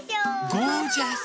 ゴージャス。